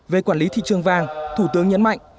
về quản lý thị trường vàng thủ tướng nhấn mạnh